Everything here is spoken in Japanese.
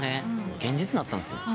現実になったんですよ。